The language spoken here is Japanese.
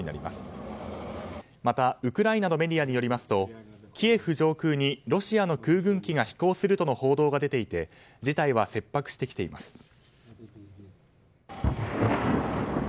また、ウクライナのメディアによりますとキエフ上空にロシアの空軍機が飛行するとの報道が出ていて事態は切迫してきています。